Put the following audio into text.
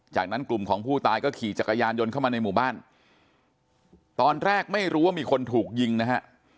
จากนั้นกลุ่มของผู้ตายก็ขี่จักรยานยนต์เข้ามาในหมู่บ้านตอนแรกไม่รู้ว่ามีคนถูกยิงนะฮะ